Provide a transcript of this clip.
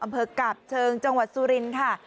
อำเภอกาบเชิงจังหวัดสุรินทร์ค่ะ